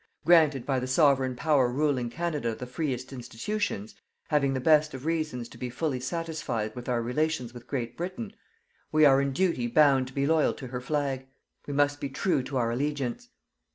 Granted by the Sovereign Power ruling Canada the freest institutions, having the best of reasons to be fully satisfied with our relations with Great Britain, we are in duty bound to be loyal to her flag. We must be true to our allegiance.